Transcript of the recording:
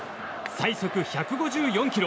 最速１５４キロ。